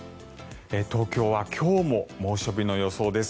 東京は今日も猛暑日の予想です。